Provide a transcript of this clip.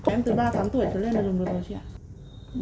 em từ ba tám tuổi tới lên là dùng được rồi chị ạ